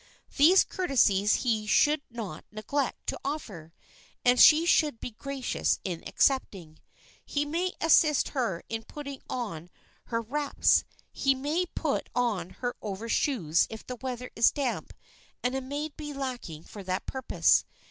These courtesies he should not neglect to offer, and she should be gracious in accepting. He may assist her in putting on her wraps. He may put on her overshoes if the weather is damp and a maid be lacking for that purpose.